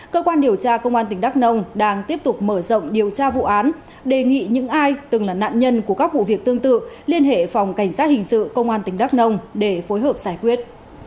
cơ quan điều tra công an tỉnh đắk nông đang tiếp tục mở rộng điều tra vụ án đề nghị những ai từng là nạn nhân của các vụ việc tương tự liên hệ phòng cảnh sát hình sự công an tỉnh đắk nông để phối hợp giải quyết